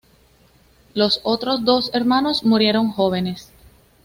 Los otros dos hermanos murieron jóvenes.